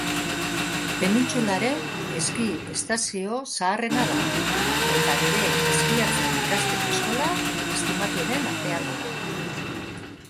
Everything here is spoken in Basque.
Penintsularen eski estazio zaharrena da eta bere eskiatzen ikasteko eskola estimatuenen artean dago.